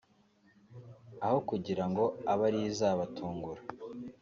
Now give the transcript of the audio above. aho kugira ngo abe ari yo izabatungura